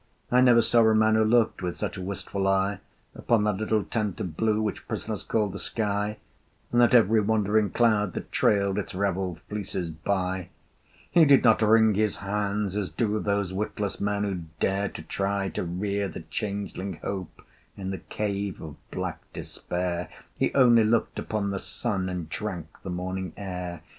I never saw a man who looked With such a wistful eye Upon that little tent of blue Which prisoners call the sky, And at every wandering cloud that trailed Its raveled fleeces by. He did not wring his hands, as do Those witless men who dare To try to rear the changeling Hope In the cave of black Despair: He only looked upon the sun, And drank the morning air.